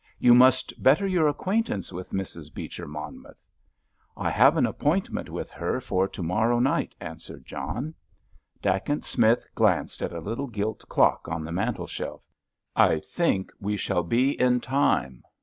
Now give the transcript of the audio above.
"You must better your acquaintance with Mrs. Beecher Monmouth." "I have an appointment with her for to morrow night," answered John. Dacent Smith glanced at a little gilt clock on the mantelshelf. "I think we shall be in time!"